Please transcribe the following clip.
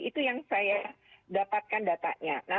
itu yang saya dapatkan datanya